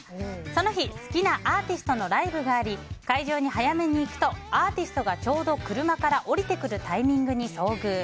その日、好きなアーティストのライブがあり会場に早めに行くとアーティストが、ちょうど車から降りてくるタイミングに遭遇。